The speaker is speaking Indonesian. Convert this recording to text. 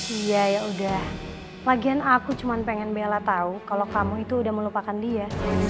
iya yaudah lagian aku cuma pengen bella tau kalau kamu itu udah melupakan dia